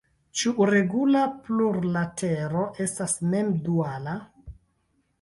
Ĉiu regula plurlatero estas mem-duala.